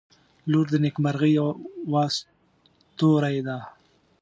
• لور د نیکمرغۍ یوه ستوری ده.